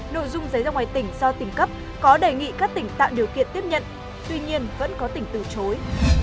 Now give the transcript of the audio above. nội dung giấy ra ngoài tỉnh do tỉnh cấp có đề nghị các tỉnh tạo điều kiện tiếp nhận tuy nhiên vẫn có tỉnh từ chối